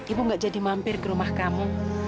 ibu gak jadi mampir ke rumah kamu